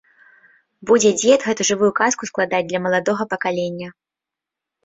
Будзе дзед гэтую жывую казку складаць для маладога пакалення.